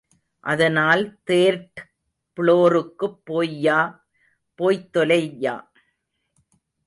அதனால தேர்ட் புளோருக்குப் போய்யா... போய்த் தொலய்யா.